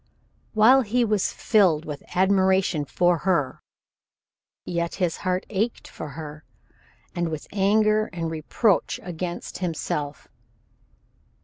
While he was filled with admiration for her, yet his heart ached for her, and with anger and reproach against himself.